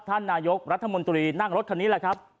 ท่านนายกรัฐมนตรีนั่งรถคันนี้แหละครับ